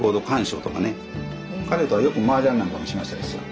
彼とはよくマージャンなんかもしましたですよ。